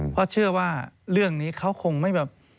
เพราะเชื่อว่าเรื่องนี้เขาคงไม่แบบ